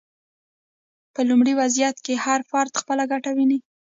په لومړني وضعیت کې هر فرد خپله ګټه ویني.